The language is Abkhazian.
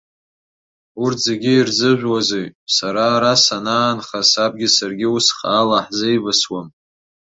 Урҭ зегьы ирзыжәуазеи, сара ара санаанха, сабгьы саргьы ус хаала ҳзеивысуам.